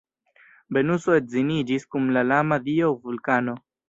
Venuso edziniĝis kun la lama dio Vulkano.